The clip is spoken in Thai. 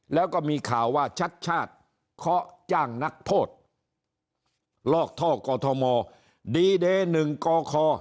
แล้วก็มีข่าวว่าชัดชาติเคาะจ้างนักโทษลอกท่อกอทมดีเดย์๑กค